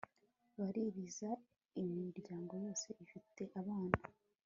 baririza imiryango yose ifite abana